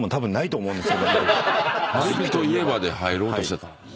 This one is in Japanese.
パリピといえばで入ろうとしてたん？